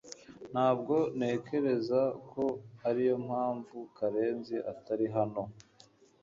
Ntabwo ntekereza ko ariyo mpamvu Karenzi atari hano